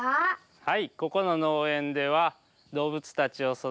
はい。